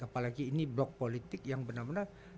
apalagi ini blok politik yang benar benar